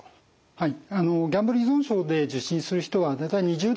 はい。